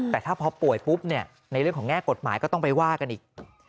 แต่ถ้าพอป่วยปุ๊บเนี่ยในเรื่องของแง่กฎหมายก็ต้องไปว่ากันอีก